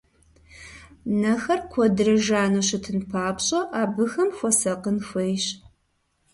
Нэхэр куэдрэ жану щытын папщӀэ, абыхэм хуэсакъын хуейщ.